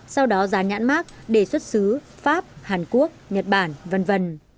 sau đó gián nhãn mát đề xuất xứ pháp hàn quốc nhật bản v v